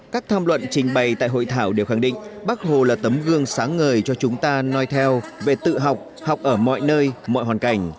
các tham luận trình bày tại hội thảo đều khẳng định bác hồ là tấm gương sáng ngời cho chúng ta nói theo về tự học học ở mọi nơi mọi hoàn cảnh